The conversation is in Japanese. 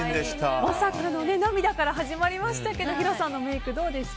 まさかの涙から始まりましたけどヒロさんのメイク、どうでした？